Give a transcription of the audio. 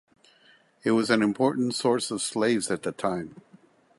It was an important source of slaves at that time.